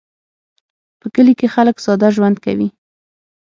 په کلي کې خلک ساده ژوند کوي